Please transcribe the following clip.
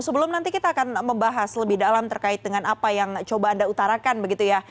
sebelum nanti kita akan membahas lebih dalam terkait dengan apa yang coba anda utarakan begitu ya